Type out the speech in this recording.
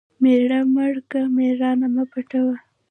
مېړه مړ کړه مېړانه مه پوټوه .